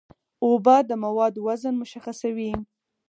اوبه د موادو وزن مشخصوي.